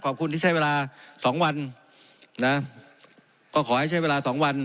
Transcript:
ขอบคุณที่ใช้เวลาสองวันนะก็ขอให้ใช้เวลาสองวัน